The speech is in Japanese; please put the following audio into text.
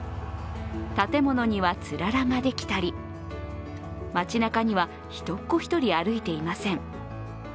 建物にはつららができたり街なかには人っ子一人歩いていません。